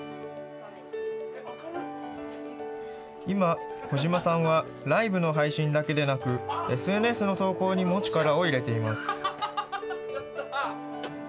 今、児島さんはライブの配信だけでなく、ＳＮＳの投稿にも力を入れています。